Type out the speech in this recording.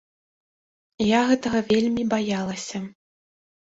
Я гэтага вельмі баялася.